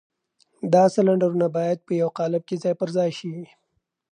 دا سلنډرونه بايد په يوه قالب کې ځای پر ځای شي.